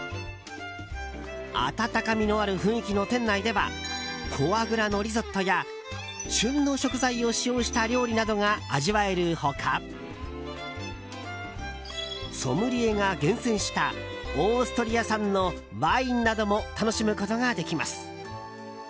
温かみのある雰囲気の店内ではフォアグラのリゾットや旬の食材を使用した料理などが味わえる他ソムリエが厳選したオーストリア産のワインなども楽しむことができます。